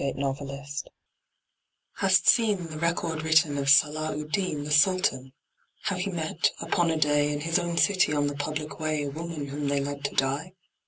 MERCY'S REWARD Hast seen The record written of Salah ud Deen, The Sultan how he met, upon a day, In his own city on the public way, A woman whom they led to die?